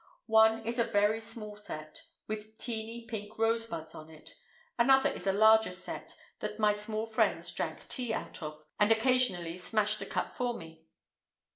One is a very small set, with teeny pink rosebuds on it; another is a larger set, that my small friends drank tea out of (and occasionally smashed a cup for me).